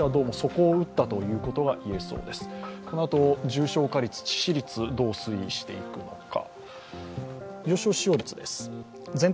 このあと重症化率、致死率、どう推移していくのか。